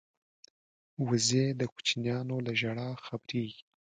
وزې د کوچنیانو له ژړا خبریږي